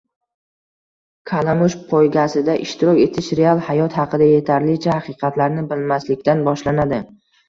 Kalamush poygasida ishtirok etish real hayot haqida yetarlicha haqiqatlarni bilmaslikdan boshlanadi